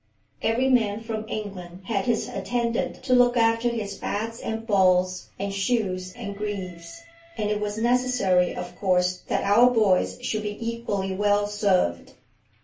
Every man from England had his attendant to look after his bats and balls, and shoes and greaves; and it was necessary, of course, that our boys should be equally well served.